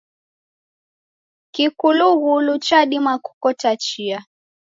Kikulughulu chadima kukota chia.